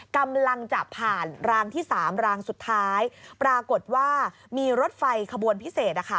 กำลังจะผ่านรางที่๓รางสุดท้ายปรากฏว่ามีรถไฟขบวนพิเศษ